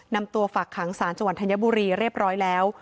นำตัวฝากขังสารจังหวัดธัญบุรีเรียบร้อยแล้ว